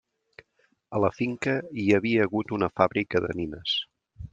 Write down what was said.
A la finca hi havia hagut una fàbrica de nines.